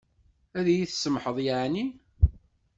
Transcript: Ad yi-tsamḥeḍ yeεni?